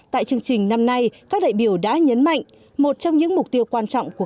tại chương trình năm nay các đại biểu đã nhấn mạnh một trong những mục tiêu quan trọng của